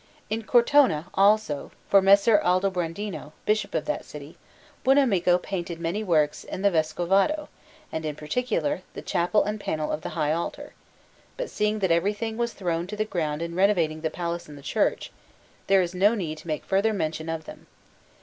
In Cortona, also, for Messer Aldobrandino, Bishop of that city, Buonamico painted many works in the Vescovado, and in particular the chapel and panel of the high altar; but seeing that everything was thrown to the ground in renovating the palace and the church, there is no need to make further mention of them.